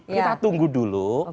kita tunggu dulu